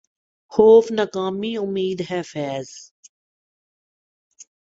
خوف ناکامئ امید ہے فیضؔ